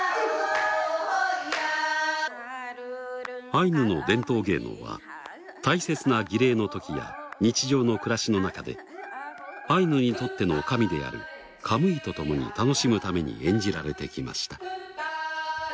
アイヌの伝統芸能は大切な儀礼のときや日常の暮らしのなかでアイヌにとっての神であるカムイとともに楽しむために演じられてきました。